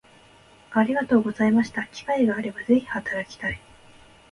ありがとうございました機会があれば是非働きたい